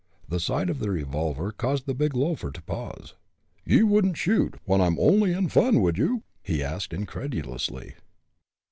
The sight of the revolver caused the big loafer to pause. "Ye wouldn't shoot, when I'm only in fun, would you?" he asked, incredulously.